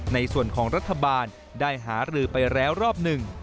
ในส่วนของรัฐบาลได้หารือไปแล้วรอบหนึ่ง